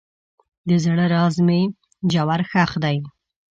د زړه راز مې ژور ښخ دی.